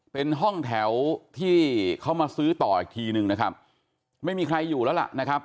เป็นห้องแถวที่เขามาซื้อต่ออีกทีนึงนะครับไม่มีใครอยู่แล้วล่ะนะครับ